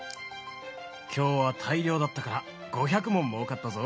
今日は大漁だったから５００文もうかったぞ。